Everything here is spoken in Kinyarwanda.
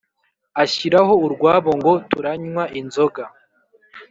ashyiraho urwabo ngo turanywa inzoga